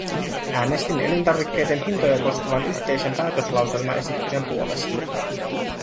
Äänestin elintarvikkeiden hintoja koskevan yhteisen päätöslauselmaesityksen puolesta.